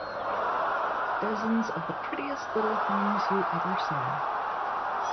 Dozens of the prettiest little homes you ever saw.